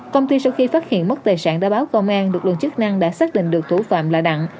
công ty sau khi phát hiện mất tài sản đã báo công an lực lượng chức năng đã xác định được thủ phạm là đặng